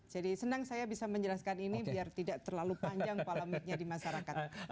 jadi senang saya bisa menjelaskan ini biar tidak terlalu panjang polemiknya di masyarakat